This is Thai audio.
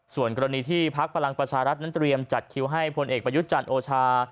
ส่วนกรณีที่พักพลังประชารัฐนั้นเตรียมจัดคิวให้พลเอกประยุทธ์จันทร์โอชา